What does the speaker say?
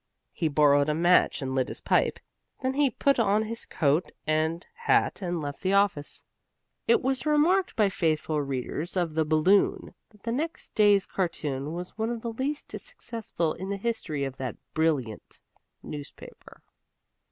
He borrowed a match and lit his pipe. Then he put on his coat and hat and left the office. It was remarked by faithful readers of the Balloon that the next day's cartoon was one of the least successful in the history of that brilliant newspaper.